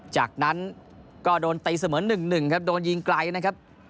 จากนั้นก็โดนตีเสมอ๑๑ครับโดนยิงไกลนะครับ